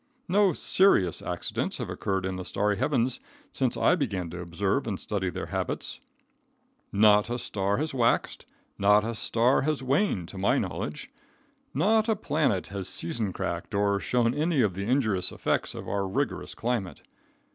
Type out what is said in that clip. No serious accidents have occurred in the starry heavens since I began to observe and study their habits. Not a star has waxed, not a star has waned to my knowledge. Not a planet has season cracked or shown any of the injurious effects of our rigorous climate.